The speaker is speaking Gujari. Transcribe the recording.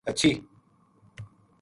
ہچھی